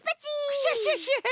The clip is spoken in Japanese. クシャシャシャ！